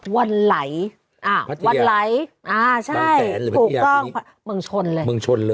วันไหล่อ่าวันไหล่อ่าใช่ต่างแสนหรือต่างแสนมึงชนเลยมึงชนเลย